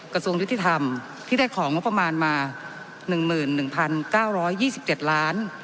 กระทรวงยุธิธรรมที่ได้ของงบประมาณมาหนึ่งหมื่นหนึ่งพันเก้าร้อยยี่สิบเจ็ดล้าน